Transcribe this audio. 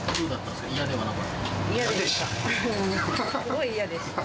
すごい嫌でした。